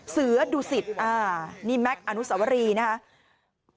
เสือดุสิตนี่แม็กซ์อนุสวรีนะครับ